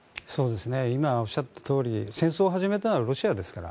今、おっしゃったとおり戦争を始めたのはロシアですから。